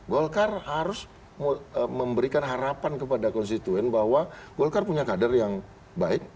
golkar harus memberikan harapan kepada konstituen bahwa golkar punya kader yang baik